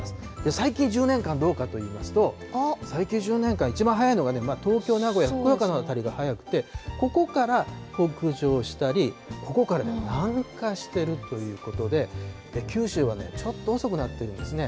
最近１０年間どうかといいますと、最近１０年間、一番早いのが、東京、名古屋、福岡の辺りが早くて、ここから北上したり、ここから南下してるということで、九州はね、ちょっと遅くなっているんですね。